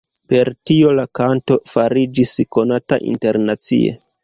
Per tio la kanto fariĝis konata internacie.